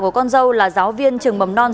của con dâu là giáo viên trường mầm non